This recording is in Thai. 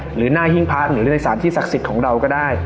หรือหน้าหิ้งพระหรือในสารที่ศักดิ์สิทธิ์ของเราก็ได้